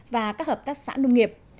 và các hợp tác xã nông nghiệp